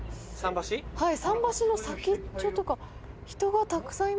桟橋の先っちょとか人がたくさんいますよ。